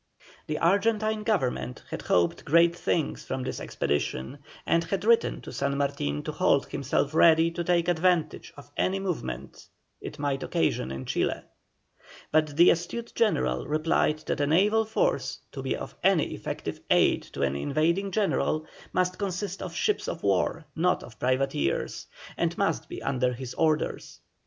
The Argentine Government had hoped great things from this expedition, and had written to San Martin to hold himself ready to take advantage of any movement it might occasion in Chile; but the astute general replied that a naval force, to be of any effective aid to an invading general, must consist of ships of war, not of privateers, and must be under his orders.